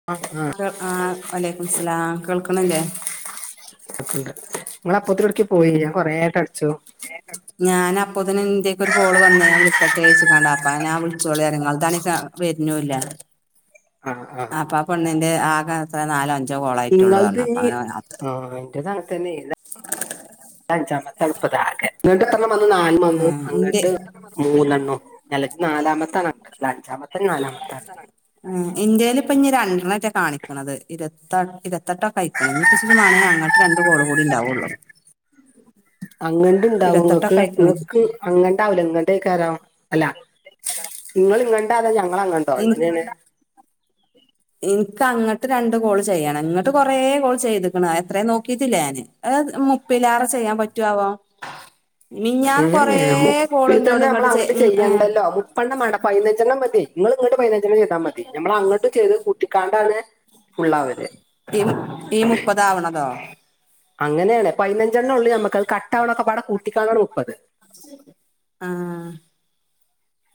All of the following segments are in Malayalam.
[unintelligible] ആഹ് ആഹ് വ അലൈക്കു മുസ്സലാം കേൾക്ക്ണ്ല്ലേ? ങ്ങള് അപ്പത്തിനവിടെക്കാ പോയീന് ഞാൻ കൊറെ വട്ടം അടിച്ചു [unintelligible] ഞാൻപ്പതിന് ഇന്റെക്കൊരു കോള് വന്നെ ഞാൻ വിളിക്കട്ടെയിച്ചുകാണ്ട് അപ്പോൾ ഞാൻ വിളിച്ചോളി പറഞ്ഞു. നിങ്ങളതാണെങ്കിൽ [unintelligible] വരുന്നൂല്ലാ ആപ്പോ ആ പണ്ണിന്റെ ആകാ എത്ര നാലോ അഞ്ചോ കോള ഇങ്ങൾതിനി ആഹ് എന്റെത് അങ്ങനെ തന്നെ [unintelligible] ഇത് അഞ്ചാമത്തെ അണുപ്പത ആകെ ഇങ്ങോട്ട് എത്രണം വന്നു നാലും വന്നു ഏഹ് ഇന്റെ അങ്ങട്ട് മൂന്നെണ്ണം അല്ല ഇത് നാലാമത്തെ അഞ്ചാമത്ത നാലാമത്തെ ഉം എന്റെയിലിപ്പോ ഇനി രണ്ടെണെറ്റെ കാണിക്കണത് ഇരുപത്തട്ട് ഇരുപത്തെട്ടൊക്കെ ആയിക്ക്ണ് [unintelligible] വേണമെങ്കിൽ അങ്ങട്ട് രണ്ട് കോളും കൂടിണ്ടാവുള്ളൂ അങ്ങട്ട് ഇണ്ടാവോ നിങ്ങക്ക് ഇരുപത്തെട്ടൊക്കെ അയക്കണ് നിങ്ങക്ക് അങ്ങട്ടാവൂല ഇങ്ങട്ടേയ്ക്കാരം അല്ല ഇങ്ങള് ഇങ്ങട്ടാ അതോ ഞങ്ങള് അങ്ങട്ടോ എങ്ങനെയാണ് എനിക്ക് അങ്ങട്ട് രണ്ട് കോൾ ചെയ്യണം ഇങ്ങട്ട് കൊറേ കോൾ ചെയ്ത്ക്ക്ണ് അത് എത്രെയെന്ന് നോക്കിട്ടില്ല ഞാന് ഏ മുപ്പിലേറെ ചെയ്യാൻ പറ്റാവോ ഏഹ് ഏഹ് ഇന്നോട് മുപ്പീത്തന്നെ നമ്മൾ ഇങ്ങട്ട് ചെയ് അങ്ങട്ട് ഉം ഏഹ് ചെയ്യണ്ടല്ലോ മുപ്പെണ്ണം വാണ്ട പതിനഞ്ചണ്ണം മതിയെ നിങ്ങൾ ഇങ്ങട്ട് പൈതിനഞ്ചണം ചെയ്താൽ മതി നമ്മൾ അങ്ങട്ട് ചെയ്തത് കൂട്ടിക്കാണ്ടാണ് ഫുള്ളാവല് ഈ ഈ മുപ്പതാവണതോ? അങ്ങനെയാണ് പതിനഞ്ചെണ്ണം ഉള്ളൂ ഞമ്മക്ക് അത് കട്ടാവണൊക്കെ പാടെ കൂട്ടിക്കാണാണ് മുപ്പത് ആഹ്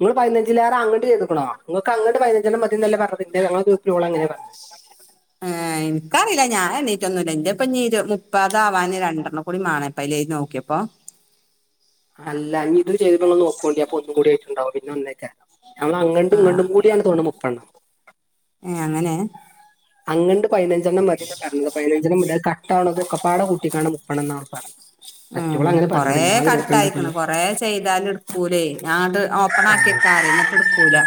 നിങ്ങൾ പതിനഞ്ചിലേറെ അങ്ങ്ട്ട് ചെയ്ത്ക്ക്ണോ ങ്ങൾക്ക് അങ്ങട്ട് പതിനഞ്ചെണ്ണം മതി എന്നല്ലെ പറഞ്ഞത് [unintelligible] പറഞ്ഞ [unintelligible] ഏ എനിക്കറിയില്ല ഞാൻ എണ്ണീറ്റൊന്നും ഇല്ല എന്റെ ഇരുപ [unintelligible] മുപ്പതാ വാൻ രണ്ടെണ്ണം കൂടി വാണം ഇ പയിലെയ് നോക്കിയപ്പോ അല്ല ഇനി ഇതും ചെയ്ത്ട്ട് ങ്ങൾ നോക്കോണ്ടയ് അപ്പോ ഒന്നും കൂടി ആയിട്ടുണ്ടാവും പിന്നെ ഒന്നയിക്കാരം നമ്മൾ അങ്ങട്ടു ആഹ് ഇങ്ങട്ടും കൂടിയാണ് തോന്നുണു മുപ്പെണ്ണം ഏഹ് അങ്ങനെ അങ്ങട്ട് പതിനഞ്ചെണ്ണം മതീന്ന പറഞ്ഞത് പതിനഞ്ചെണ്ണം [unintelligible] അത് കട്ടാണത് ഒക്കപ്പാടെ കൂട്ടിക്കാണ്ട് മുപ്പതണ്ണം എന്നാ പറഞ്ഞത് ഉം മറ്റുള്ള അങ്ങനെ കൊറേ പറഞ്ഞിട്ട് ഞങ്ങൾ ഗ്രൂപ്പിലുണ്ടപ്പോൾ കട്ടായിക്കണ് കൊറെ ചെയ്താലും എടുക്കൂലെ ഞാൻ ന്ന്ട്ട് ഓപ്പണ ആക്കിൊക്കെ അറിയുന്നിട്ട് എടുക്കൂല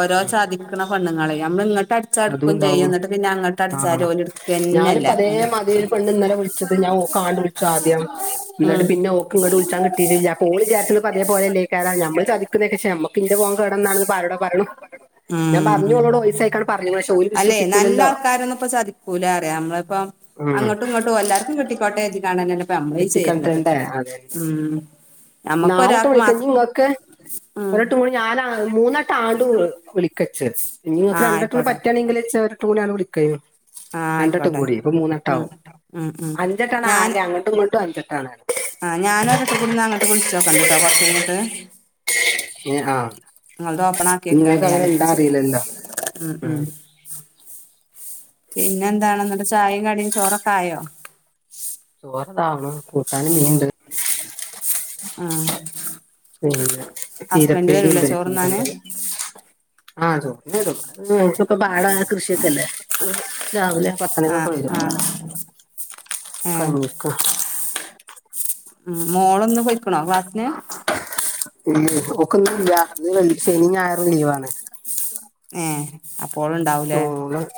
ഓരോ സാധിക്കുന്ന പെണ്ണുങ്ങള നമ്മ ഇങ്ങട്ട..... അടച്ചടുക്കും ചെയ്യും അതുണ്ടാവും എന്നിട്ട് പിന്നെ അങ്ങോട്ട് അടിച്ചൽ ആഹ് ഓല് എടുക്കന്നല്ല..... ഞാനിപ്പ അതേമാതിരി ഒരു പെണ്ണ് ഇന്നലെ വിളിച്ചത് ഞാൻ കാണ്ടു വിളിച്ചൽ ആദ്യം...... [inaudible] എന്നിട്ട് പിന്നെഓക്ക് ഇങ്ങോട്ട്‌ വിളിക്കാൻ കിട്ടില്ല ഓൾ വിചാരിച്ച പതേ പോലല്ലേതാ നമ്മൾ ചതിക്കുന്നക്കെ..... പിന്റെ പോകൻ കേടന്നാണ പറയടോ പറഞ്ഞു ഞാൻ ഉം പറഞ്ഞുോളോട് പൈസ അയക്കണം..... അല്ലെ നല്ല ആൾക്കാരൊന്ന ഇപ്പ ചതിക്കൂല അറിയാവുന്ന ഇപ്പം.... ഉം അങ്ങോട്ടും ഇങ്ങോട്ടും എല്ലാവർക്കും കിട്ടിക്കോട്ടെ കിട്ടിക്കണ്ടണ്ടേ [unintelligible] ഉം..... നമ്മക്ക് നാലെട്ട് ഒരാൾക്ക് മണിക്കഴഞ്ഞഞ് മാത്രം നിങ്ങൾക്ക് ഒ ഉം എട്ട് മണി.... ഞാനാ മൂന്നെട്ടം ആണ്ട [unintelligible] നിങ്ങക്ക് ആ രണ്ടെട്ട ആയിക്കോട്ടെ പറ്റുകയാണെങ്കിൽ ചട്ട കൂടി വിള... ആ രണ്ടെട്ടം ആയിക്കോട്ടെ കൂടി ഇപ്പ മൂന്നെട്ട ഉം ആവും ഉം ഉം അഞ്ചെട്ടാണ് ആകെ ഞാൻ അങ്ങോട്ടും ഇങ്ങോട്ടും അഞ്ചെ..... [unintelligible] ആഹ് ഞാന ഒരിട്ട കൂടിന്ന് അങ്ങോട്ട് വിളിച്ചോക്കണ്ട്ട്ടോ കൊറച്ച് കഴിഞ്ഞിട്ട്..... ഏഹ് ആഹ് നിങ്ങളുടെ ഓപ്പണ ആക്കി നിങ്ങൾക്ക് വക്കണ്ടാ അങ്ങനെ ഇണ്ടാ അറിയില്ലല്ലോ [unintelligible] ഉം ഉം.... പിന്നെ എന്താണെന്നട്ട് ചായയും കടിയും ചോറൊക്കെ ആയോ.... ചോറതാവണ കൂട്ടാൻ മീൻ..... ആഹ്.... പിന്നെ ഹസ്ബൻഡ് ചീതപ്പേരി വരൂലേ ഉണ്ട് ചീത ചോറുണ്ണാന് [unintelligible] ആഹ ചോന്നട..... ഉം ക്കിപ്പ പാട കൃഷിയൊക്കെല്ലേ..... പത്തണക്കൊക്കെ ആഹ് വരും ആഹ് ഏഹ് കഞ്ഞ.... ഉം മോളൊന്ന് പോയിക്കണോ ക്ലാസ്സിന്.... ഓക്കൊന്നുംല്ല ശനി ഞായറും ലീവാണ്..... ഏ അപ്പോൾ.... [unintelligible]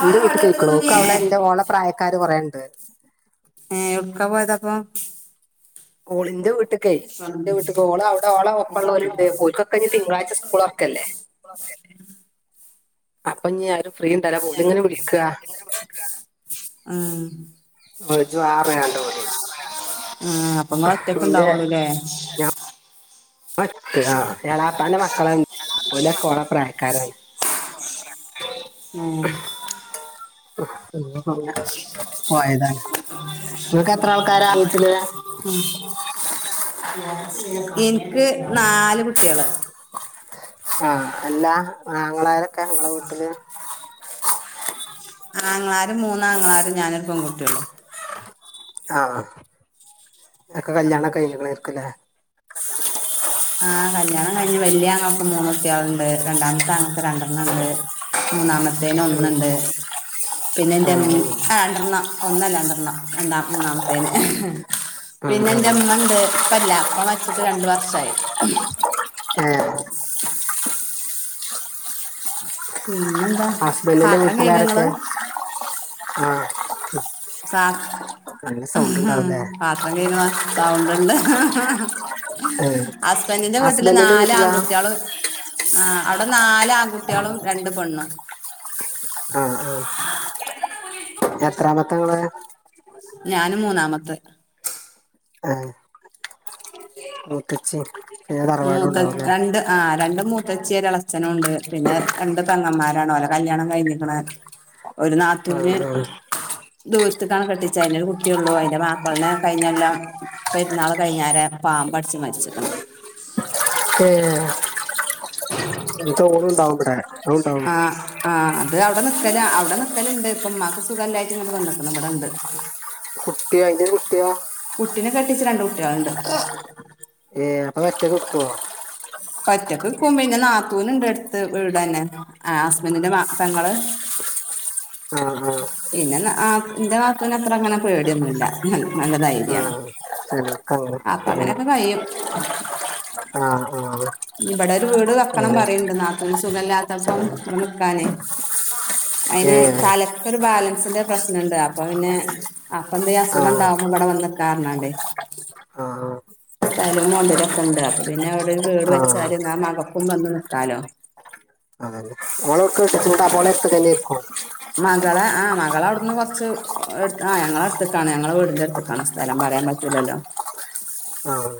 എന്റെ വീട്ടിൽ കേക്കളു ക്ക അവിടെ ഏഹ് എന്റെ ഓള പ്രായക്കാര് കുറേണ്ട്... ഏ എവിടെക്കെ പോയതപ്പ.... ഓളിന്റെ വീട്ടി..... ഓളന്റെ വീട്ട ഓള അവിടെ ള ഒപ്പമ ഉവരുണ്ട് [unintelligible] പോൽക്ക കഴഞ്ഞ തിങ്കളഴ് സ്കൂൾ ഒറക്കല്ലേ.... [inaudible] അപ്പൊ ഞാൻ ആരും ഫ്രീ തരാ പോല ഇങ്ങനെ വിളിക്കുക... ആഹ്..... [unintelligible] ആഹ്‌ അപ്പൊ നിങ്ങൾ ഒറ്റൊക്കെ എന്റെ ഉണ്ടാവുള്ളൂല്ലേ.... ഞാൻ [unintelligible] ഉം...... പോയതാണ് നിങ്ങക്ക് എത്ര ആൾക്കാരാ വീട്ടില്..... [unintelligible] നാല് കുട്ടികള്.... ആഹ് എല്ലാ.... ആഹ്..... ആങ്ങളാരും മൂന്നാങ്ങളാരും ഞാനരു പെൺകുട്ടിയള്ളൂ..... ആ അക്കെ കല്യാണം കഴിഞ്ഞക്കല്ലേ.... കല്യാണം കഴിഞ്ഞ് ആഹ് കല്യാണം കഴിഞ്ഞ് വല്ിയ ആങ്ങളക്ക് മൂന്ന് കുട്ടികളുണ്ട് രണ്ടാമത്തെ ആങ്ങളക്ക് രണ്ടെണ്ണം ഉണ്ട്.... മൂന്നാമത്തേന ഒന്നുണ്ട് പിന്നെ എന്താ [unintelligible] ഒന്നല്ലാ രണ്ടണം രണ്ടാം മൂന്നാമത്തേന് പിന്നെ എന്റെ അമ്മണ്ട് ഇപ്പല്ല..... അപ്പ മരിച്ചിട്ട് രണ്ട് വർഷമായി.... [unintelligible] പിന്നെ.. ഹസ്ബൻഡന്റെ വീട്ടുകാരൊക്കെ ആഹ് പാ അഹാ ഉണ്ടാവില്ലേ പാത്രം കഴിക്ണ സൗണ്ട്ണ്ട് ഇഹ് ഇഹ് ഹസ്ബന്റ്ന്റെ വീട്ടില് ഹസ്ബൻഡിന്റെ നാല് വീട്ടിലാ ആൺകുട്ടിയളു ആ അടെ നാല് ആൺകുട്ടിളും രണ്ട് പെണ്ണും. ആഹ ആഹ് എത്രാമത്ത ഇങ്ങള്? ഞാന് മൂന്നാമത്തെ ആഹ് ഉ [unintelligible] മൂത്തച്ചി പിന്നെ തറവാടും മൂത്തത് ഉണ്ടാവുംല്ലേ രണ്ട് ആ രണ്ട് മൂത്തച്ചി ഒര് എളച്ചനു ഉണ്ട്. പിന്നെ രണ്ട് പെങ്ങമാരാണ് ഓല കല്ല്യാണം കഴിഞ്ഞിക്ക്ണ്. ഒര് ആഹ് നാത്തൂന് ആഹ് ദൂര്ത്ത്ക്കാണ് കെട്ടിച്ച അയിന് ഒരു കുട്ടിഒള്ളൂ. അയിന്റെ മാപ്പൾനെ കഴിഞ്ഞൊല്ലം പെര്ന്നാള് കഴിഞ്ഞാരെ പാമ്പട്ച്ച് മര്ച്ച്ക്ക്ണ്. ഏഹ് ചെൽപ്പ ഓളുണ്ടാവും ഇബടെ അവുണ്ടാവും. ആഹ് അത് അവിടെ നിക്കല അവിടെ നിക്കല് ഇണ്ട് ഇപ്പം ഇമ്മാക്ക് സുഖല്ലായിട്ട് ഇങ്ങട്ട് വെന്ന്ക്ക്ണ് ഇവിടെ ഇണ്ട്. കുട്ടിയോ അയ്‌ന്റൊരു കുട്ടിയോ കുട്ടിനെ കെട്ടിച്ച് രണ്ട് കുട്ടിൾണ്ട്. ഏഹ് അപ്പ അഹ് ഒറ്റക്ക് നിക്കോ? ഒറ്റക്ക്ക്കും പിന്നെ നാത്തൂന് ഇണ്ട് എട്ത്ത് വീടെന്നെ ആഹ് ഹസ്ബന്റിന്റെ മാ പെങ്ങള്. ആഹ് ആഹ് പിന്നെ നാത്ത് ഇന്റെ നാത്തൂന് അത്ര അങ്ങനെ പേടിയൊന്നുല്ല. നല്ല ധൈ ര്യാണ്. ആഹ് ആഹ് ചെലോർക്ക് അപ്പ അങ്ങനെ അങ്ങനെക്കെ കയ്യും. ആഹ് ആഹ് ഇബടെ ഒര് വീട് വെക്കണം ആഹ് പറയിണ്ട് നാത്തൂന് സുഖല്ലാത്തപ്പം ഇവടെ നിക്കാന്. ഏഹ് അയിന് ഏഹ് തലക്കൊര് ബാലൻസിന്റെ പ്രശ്നംണ്ട് അപ്പ പിന്നെ അപ്പ എന്തെ അസുഖം ആഹ് ഇണ്ടാവുമ്പ ഇവിടെ വന്ന്ക്കാർഞ്ഞാണ്ട് ആഹ് സ്ഥലോം മൊതല് ഒക്ക ഇണ്ട് അപ്പ പിന്നെ ഇവിടെ ഒര് വീട് വെ അഹ് ആഹ് സെരി ഇന്നാ മകക്കും വെന്ന് നിക്കാല്ലോ. ഓള് ഒട്ക്കാ കെട്ടിച്ചാ അപ്പ ഓളെര്ത്ത് ക്ക് [unintelligible] മകളെ ആ മകളെ അവിട്ന്ന് കൊർച്ച് എട് ആ ഞങ്ങള അട്ത്ത്ക്കാണ് ഞങ്ങളെ വീടിന്റെ അട് ക്കാണ് സ്ഥലം പറയാൻ പറ്റൂലല്ലോ? ആഹ്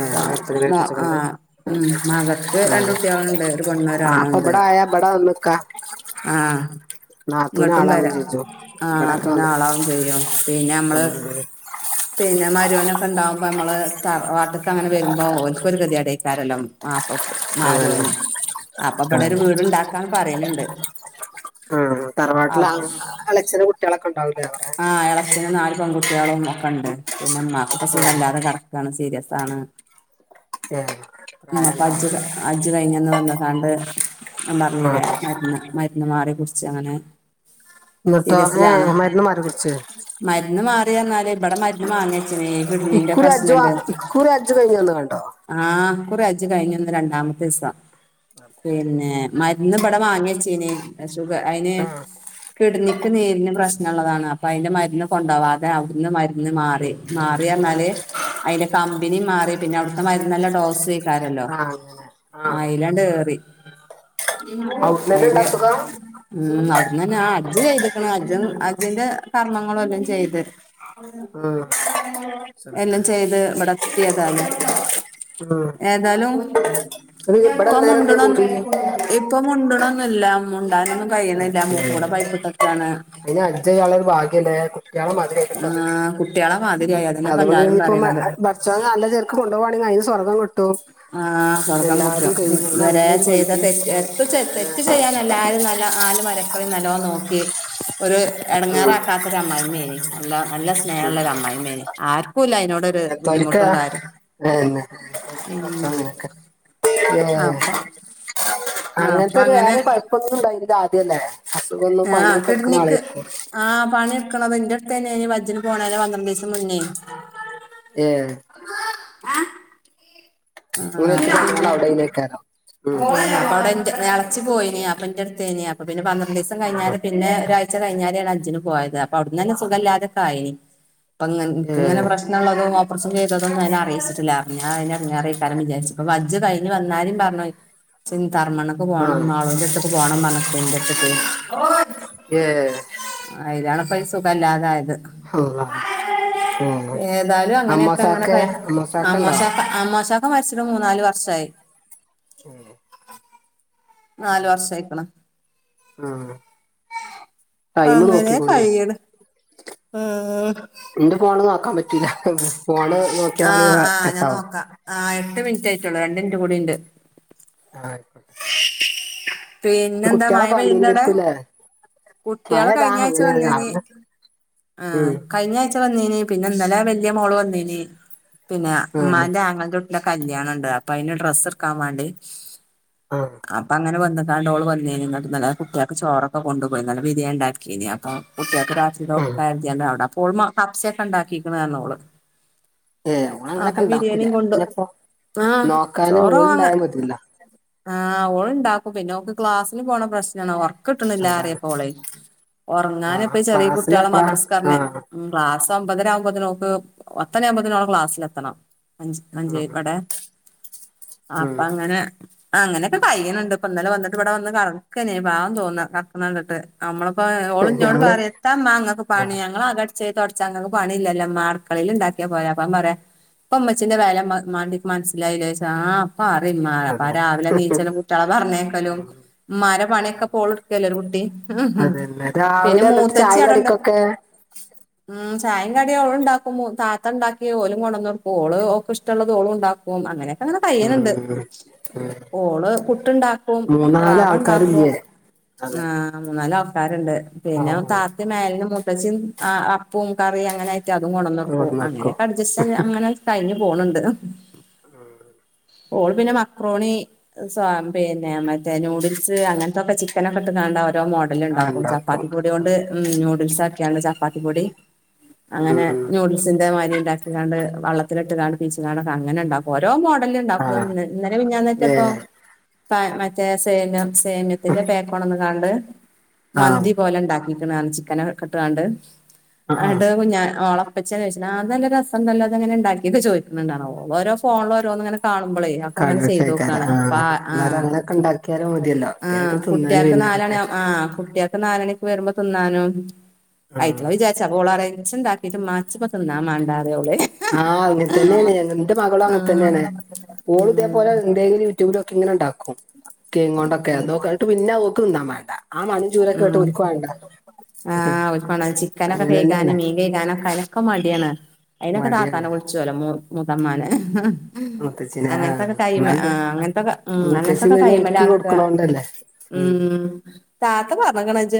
ഏഹ് ഓളെ അടുത്തന്നെ ആഹ് കെട്ടിച്ചേക്കണത് ആഹ് ആഹ് മകക്ക് രണ്ട് ആഹ് കുട്ടിയാള്ണ്ട്. ഒര് പെണ്ണ് ഒര് ആഹ് അപ്പൊ ആണുണ്ട്. ഇവിടെ ആയാ ഇവിടെ വന്ന് നിക്കാ ആഹ് നാത്തൂന് ഇങ്ങട്ടും ആളാവും വരാം ചെജ്ജും ഇവിടൊക്കെ ആതൂന് വന്ന് ആളാവും ചെയ്യും. പിന്നെ നമ്മള് ഉം പിന്നെ മരോനൊക്കെ ഇണ്ടാവുമ്പോ നമ്മള് തറാവാട്ട്ക്ക് അങ്ങനെ വെരുമ്പോ ഓൽക്ക് ഒരു കെതീടെ ക്കാരെല്ലോം മാപ്പ്ളക്ക് അതന്നെ മരോന് അപ്പ ഇബടെ അതന്നെ ഒര് വീട്ണ്ടാക്കാന്ന് പറിണ് ണ്ട്. ആഹ് തറവാട്ടില് ആഹ് എളച്ചനും കുട്ടിളൊക്കെ ഇണ്ടാവൂലേ. അളച്ചന് നാല് പെൺകുട്ടിളും ഒക്ക ഇണ്ട്. പിന്നെ, ഇമ്മാക്ക് ഇപ്പ സുഖല്ലാതെ കെടക്ക് ആണ്. സീരിയസ് ആണ്. [inaudible] ഏഹ് ഇമ്മ ഇപ്പ പ്രായണ്ടോ അജ്ജ് അജ്ജ് കഴിഞ്ഞന്ന് വന്ന്ക്കാണ്ട് നാം ആഹ് പർഞ്ഞിലെ മര്ന്ന് മര്ന്ന് മാറി കുടിച്ച് അങ്ങനെ ഇന്ന്ട്ടോ ഏഹ് മര്ന്ന് മാറി കുട്ച്ചേ മര്ന്ന് മാറിയർന്നാല് ഇബടെ മര്ന്ന് മാങ്ങിയച്ച്നേ. ഇക്കുറി അജ്ജ് വാ ഇക്കുറി അജ്ജ് കഴിഞ്ഞന്ന് കാണ്ടോ? ആഹ് ഇക്കുറി അജ്ജ് കഴിഞ്ഞന്ന് രണ്ടാമത്തീസം. പിന്നെ മര്ന്ന്ബട വാങ്ങിച്ചീനി സുഖ അയിന് [inaudible] കിഡ്നിക്ക് നീരിന് പ്രശ്നള്ളതാണ് അപ്പയിന്റെ മര്ന്ന് കൊണ്ടോവാതെ അവ്ട്ന്ന് മര്ന്ന് മാറി മാറിഅർഞ്ഞാല് അയിന്റ കമ്പിനി മാറി പിന്നവ്ട്ത്തെ മരുന്നെല്ല ഡോസെയ്‌ക്കാരല്ലോ ആഹ് അങ്ങനെ ആഹ് അയിലാണ്ട് കേറി അവിടുന്ന് ഇണ്ട് അയിലെ അസുഖം ഊം അവ്ട്ന്നന്നെ ആ അജ്ജ് ചെയ്ത്ക്ക്ണ് അജ്ജും അജ്ജ്ന്റെ കർമ്മങ്ങളു എല്ലം ചെയ്ത് [inaudible] ഉം എല്ലം ചെറുപ്പേ ചെയ്ത് ബടെത്ത്യേതാലും ഉം ഏതാലും ഇത് [unintelligible] ഇവിടെ അന്നേരം എന്തേ കൂടി ഇപ്പം മുണ്ട്ണൊന്ന്ല്ല മുണ്ടാനൊന്നും കയ്യ്ണ്ല്ല മൂക്ക്കൂടെ പൈപ്പിട്ടേക്കാണ് അയിനജ്ജയാള്ളൊര് ഭാഗ്യണ്ടായാ കുട്ട്യാളു മ [inaudible] ആഹ് കുട്ടികളെ മാതിരിയായി അതന്നെപ്പ അത് കൊണ്ട് എല്ലാരും ഞ്ഞിപ്പ മ പറയണത് അ ബ ച്ചോനല്ലചേൽക്ക് കൊണ്ടോവാണെ അയിന് സ്വർഗം ക്‌ട്ടു ആഹ് സ്വർഗം കുട്ട ഉം ത്‌വരേ അങ്ങനെ ഒരു മൈൻഡ് ചെയ്തതെറ്റ് എത്തു ചെ തെറ്റ്ചെയ്യാൻ തെല്ലാരും നല്ല ആല് മര്‌ക്കളെം നല്ലോ നോക്കി ഒര് ഉം എടങ്ങാറാക്കാ ഒരമ്മായ്മ്മെനി നല്ല നല്ല സ്നേഹള്ളൊരമ്മായ്മ്മേ ആര്ക്കുല്ലയിനോട് അങ്ങൻ തൊല്ക്ക ഏ ന്ന [inaudible] ഏഹ് അപ്പൊ അപ്പൊ അങ്ങൻത്തൊര് അങ്ങനെ വേറെ കൊയപ്പൊന്നുണ്ടായിര്ദാദ്യല്ലേ ആഹ് കിഡ്നിക്ക് ആഹ് പണിയെട്ക്ക്ണത്‌ന്റെ ത്തെന്നെനി വജ്ജ്ന് പോണേന പന്ത്രണ്ടീസം മുന്നെ ഏഹ് അ ഇങ്ങള് എത്തി ആഹ് വന്നാല് അത് പിന്നെ അവിടെയ്നേക്കാരം ഉം [inaudible] എളച്ചി പോയിനി അപ്പന്റെട്ത്തേയ്നി അപ്പ പിന്ന പന്ത്രണ്ടിസം കഴിഞ്ഞേരെ പിന്നേ ഒരാഴ് ച്ച കഴിഞ്ഞാരേണ് അജ്ജിന് പോയത് അപ്പവ്ട്ന്നന്നെ സുഗല്ലാതെക്കായിനി പ്പങ്ങൻ ക്ക്ങ്ങന ഏഹ് പ്രശ് നള്ളതു ഓപർസംചെയ്തതൊന്നയിനറീച്ചിറ്റില്ല അർഞ്ഞാ അയിനെട്ങ്ങാറെയ് കരം വിചാരിച്പ്പ വജ്ജ് കഴിഞ്ഞ് വന്നാരിം പറഞ്ഞൊയ് ചി ന്തർമ്മണം പ്പ പോണം ആഹ് മാളൂന്റെട്ത്ക്ക് പോണം ന്നർഞ്ഞിക്ക ന്റെട്ത്ക്ക് ഏഹ് അയിലാണ് പ്പയി സുഖല്ലാതായത് അള്ളാഹ് ഏഹ് ഏതാലു അങ്ങനെയൊക്കങ്ങ ങ്ങന അമ്മോസാക്കെ കയിഞ്ഞ് അമ്മോസാക്കണ്ടോ അമ്മോശാക്ക അമ്മോശാക്ക മര്ച്ചിറ്റ് മൂന്നാല് വർഷായി ഊം നാല് വർശായിക്ക്ണ് ഊം അങ്ങനേ കയ്യ്ണ് ആ ഇന്റെ ഫോണ് നോക്കാമ്പറ്റൂല ഹ് ഫോണ് നോക്കിയാവാണെ ആഹ് വ ആഹ് ഞാൻ കട്ടാവു നോക്കാം ആഹ് എട്ട് മിൻറ്റായിറ്റൊള്ളു രണ്ടിൻറ്റും കൂടിണ്ട് ആഹ് [inaudible] [inaudible] ഇത് പീന്നെന്താ മഴ കുട്ടികളൊക്കെ പെയ്യുണ്ടടെ വന്നീനായിരിക്കൂല്ലേ കുട്ട്യള് മഴതാ കയിഞ്ഞായ്ച്ച അങ്ങനെ വന്നീനി രാവിലെ ആഹ് ഉം [inaudible] കയിഞ്ഞായ്‌ച്ച വന്നീനി പിന്ന ന്നലെ വല്ല്യ മോള് വന്നീനി പിന്നാ ആഹ് മ്മാന്റെ ആങ്ങൾന്റു ന്റ കല്യാണണ്ട് അപ്പയിന് ഡ്രസ്സട്ക്കാം വാണ്ടി ശ് അ അപ്പങ്ങന വന്ന്ക്കാണ്ടോള് വന്നീനി നട്‌ ന്നലെ കുട്ട്യേക്ക് ചോറൊക്ക കൊണ്ടുപോയ് ന്നല ബിരിയാൻ ണ്ടാക്കിനി അപ്പൊ കുട്ട്യേക്ക് ആഹ് [unintelligible] അവ്ട അപ്പോൾമ കബ്സൊക്കണ്ടാക്കിക്ക്ന്ന് അർഞ്ഞോള് ഏ ഓള് അങ്ങനൊക്കെ അപ്പ ഇണ്ടാക്കൂല ബിരിയാണിം കൊണ്ട് പിന്നെപ്പോ ആഹ് നോക്കാന് ചോറവാങ്ങ ഓളുണ്ടായ മതിയല്ലോ ആഹ് ഓള്ണ്ടാക്കും പിന്നോക്ക് ക്ലാസ്സിന് പോണ പ്രശ്നണ് ഒർ ക്ക്ട്ട്ണില്ലാറി അതാണ് [unintelligible] ആഹ് ഒർങ്ങാന്പ്പെ ചെറ്യ ക്ലാസ്സിന് കുട്ട്യേള എപ്പളാ മദ്റസ്ക്കർഞെ ആഹ് ഉം ക്ലാസ്സൊ‌മ്പതരാവുമ്പത്തിനോക്ക് പത്തണിആവുമ്പോത്തിനോള ക്ലാസ്സിലെത്തണം അഞ്ച് ആഹ് അഞ്ചേപ്പടെ ഉം അപ്പങ്ങനെ അങ്ങനെക്കെ കയ്യ്ണ്‌ണ്ട് പ്പ ന്നലെ വന്ന്ട്ട് വ്ട വന്ന് കട്ക്കന്നെ പാവം തോന്ന കട്ക്ക്‌ണണ്ട്ട്ട് അമ്മള് പ്പ ഓളിഞ്ഞോട് ഞമ്മള് പറയത്താമ്മ ങ്ങക്ക് പണി ആഹ് ഞങ്ങളകട് ച് തുടച്ച ഇങ്ങക്ക്‌ പണില്ലല്ലോ ഇമ്മ അടുക്കളിൽ ഇണ്ടാക്കിയാ പോരേ അപ്പ പറയാ ഇപ്പൊ ഉമ്മച്ചീന്റെ വെല ഇമ്മാന്റെട്ടുക്കി മനസ്സിലായില്ലേ ആ ഇപ്പം അറീം ഉമ്മ അതെ രാവിലെ നീച്ചലും കുട്ടികളെ പറഞ്ഞയക്കലും ഉം ഉമ്മാരെ പണിയൊക്കെ ഇപ്പൊ ഓളിടുക്കല്ലോ ഒരു കുട്ടി ഉ ഉ അതന്നെ പിന്നെ രാവിലെ എന്നിട്ട് ചായ മൂത്തച്ചി അവിടണ്ട് [inaudible] കടിക്കൊക്കെ ഉ ചായംകാടിയും ഓളും ഉണ്ടാക്കും താത്ത ഉണ്ടാക്കി ഓലും കൊണ്ടന്ന് കൊടുക്കും ഓള് ഓക്ക് ഇഷ്ടുള്ളത് ഓളും ഉണ്ടാക്കും ഉം അങ്ങനെയൊക്കെ അങ്ങനെ കഴിയണ്ട് ഉം ഉം ഓള് പുട്ടുണ്ടാക്കും മൂന്നാല് റവ ഉണ്ടാക്കും ആൾക്കാരില്ലേ ആഹ അതന്നെ ആ മൂന്നാല് ആൾക്കാരുണ്ട് പിന്നെ ആഹ് താത്തി മേലിന് മുത്തച്ചിം അപ്പും കറിയും അങ്ങനെ മറ്റ അതും ഒക്കെ കൊണ്ട്ന്നൊട്ക്കും കൊണ്ടന്ന് വെക്കും അങ്ങനെയൊക്കെ അഡ്ജസ്റ്റ് അങ്ങനെ കഴിഞ്ഞ് പോണുണ്ട് ആഹ ഓള് പിനെ മക്ക മക്റോണി പിന്നെ മറ്റേ നൂഡിൽസ് അങ്ങനത്തൊക്കെ ചിക്കനൊക്കെ ഇട്ട് കാണ്ട ഓരോ മോഡ ലിൽ ആഹ് ഉണ്ടാക്കും ഇണ്ടാക്കും ചപ്പാത്തി പൊടി കൊണ്ട് ഉം നൂഡിൽസ് ആക്കി കാണ്ട് ചപ്പാത്തി പൊടി ഉം അങ്ങനെ ഉം നൂഡിൽസിന്റെ മാതിരി ഉണ്ടാക്കി കാണ്ട് വള്ളത്തിലിട്ട് കാണ്ട് പീച്ചി കാണ്ട് ഒക്കെ അങ്ങനെ ഉണ്ടാക്കും ഓരോ മോഡലും ഉണ്ടാക്കും ആഹ് ഇന്നലെ മിഞ്ഞാന്ന് ഏറ്റെ ഇപ്പൊ ഏഹ് മറ്റേ സേമിയം സേമ്യത്തിന്റെ പേക്കൊട്ന്ന്ങ്ങാണ്ട് ആഹ് മന്തി പോലെ ഉണ്ടാക്കിട്ട്ണ് പറഞ്ഞ് ചിക്കനൊക്കെ ഇട്ടുകാണ്ട് ആ ആ എന്നട്ട് ഞാ ഓളെ പ്പച്ചി ചോയ്ച്ചേന്റെഷം ആഹ് ഇതല്ല രസണ്ടല്ലോ ഇതെങ്ങനെ ഇണ്ടാക്കിയത ചോയ്ക്കുന്നുണ്ടാണാവൊ ഒരോ ഫോണ്ല് ഓരോന്ന്ങ്ങനെ കാണുമ്പളെ അങ്ങനെ ചെയ്ത് കടലട്ടേക്കാര നോക്കാണ് ആ പ ആഹ എന്നാലും അങ്ങനൊക്കെ ഉണ്ടാക്കിയാലും മതിയല്ലോ ആഹാ എന്തേലൊക്കെ തിന്നാനും കുട്ടികക്ക് വൈന്നേരൊക്കെ നാലണിയ ആ കുട്ട്യാക്ക് നാലണിക്ക് വരുമ്പോ തിന്നാനും ആ അയിറ്റാളെ വിചാരിച്ചാ അപ്പൊ ഓളറേ വെച്ച് ഉണ്ടാക്കിട്ട് ഇമ്മ ഇച് ഇപ്പൊ തിന്നാൻ വേണ്ട പറിം ഓള് ആഹ് അങ്ങന തന്നെയാണ് എന്റെ മകളും അങ്ങനെ തന്നെയാണ് ഓള് ഉം ഇതേപോലെ എന്തെങ്കിലും യൂടൂബിലോ ഇങ്ങനെ ഉണ്ടാക്കും കൊണ്ടൊക്കെ ഒക്കെ ന്നിട്ട് പിന്നെ ഓൾക് തിന്നാ വേണ്ട ആ മണം ചൂരൊക്കെ കേട്ട് ഓർക്ക് വേണ്ട ആഹ്ക്ക ചിക്കനൊക്കെ അങ്ങനെ തന്നെയാണ് കഴികാനും മീൻ കഴുകാനൊക്കാല ക്കെ മടിയാണ് അയിനൊക്കെ മടിയാണ് താത്താനെ വിളിചോലോ മൂത്തമ്മാനെ. മുത്തച്ഛന് ആ അങ്ങനത്തൊക്കെ കൈമെ എന്നാലെന്താ ആഹ് അങ്ങനത്തൊക്കെ ഉം മൂത്തച്ചി അങ്ങനത്തൊക്കെ തന്നെ കൈ്മല ഒരുക്കി കൊടുക്കണോണ്ടല്ലേ ഉം താത്ത പറഞ്ഞ്ക്ക്ണ് ഇജി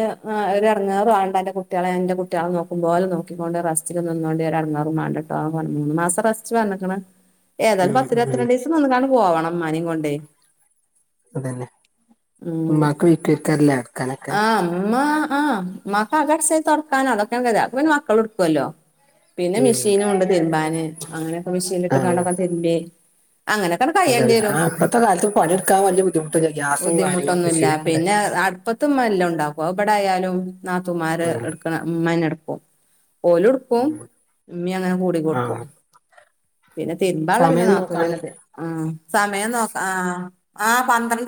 ഒരു ഇടങ്ങേറും ആവണ്ട അന്റെ കുട്ട്യാളെ ഞാൻ എന്റെ കുട്ട്യാളെ നോക്കുംപോലെ നോക്കിക്കൊണ്ട് റസ്റ്റ്‌ നിന്നോണ്ടി ഒരു ഇടങ്ങേറും മാണ്ടട്ടോ ആ മൂന്ന് മാസംറസ്റ്റ് പറഞ്ഞേക്ക്ണ് ഏതായാലും ഉം പത്തിഇരുപത്തി ഉം രണ്ടിസം നിന്ന കാണ്ട് പോവണം ഇമ്മാനേം കൊണ്ടേ അതെന്നെ ഉം അടക്കാനൊക്കെ ആ ഉമ്മ ആഹ ഉമ്മാക്ക് അകം അടിച്ചോരി തൊടക്കാനും അതൊക്കെ ആണ് കെതി അതൊക്കെ പിന്നെ മക്കൾ ഇടുക്കൊല്ലോ. പിന്നെ ഉം മിഷീനും ഇണ്ട് തിരുമ്പാന് അങ്ങനെയൊക്കെ മെഷീൻ ഇട്ട് കാണ്ടൊക്കെ അങ്ങട്ട് തിരുമ്പി. അങ്ങനെ അതെന്നെ ആ ഇപ്പത്തെ കാലത്ത് പണിഎടുക്കാൻ വലിയ ബുദ്ധിമുട്ടില്ല ഗ്യാസും കാര്യങ്ങളും മെഷീനൊക്കെ ഉണ്ട് ത്തുമ്മാ എല്ലാം ഇണ്ടാക്കും അത് ഇവിടായാലും നാത്തൂമാര് ആ എടുക്കണ ഇമ്മന്നെ ഇടുക്കും ഓലും ക്കും ഉമ്മി അങ്ങനെ കൂടി ആ കൊടുക്കും പിന്നെ തിരുമ്പാനുളള പിന്നെ സമയം നാത്തൂനുന്നെ നോക്കാണെങ്കി ഉ സമയം നോക്ക ആ ആഹ് പന്ത്രണ്ട്